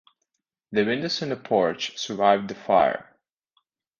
The windows in the porch survived the fire.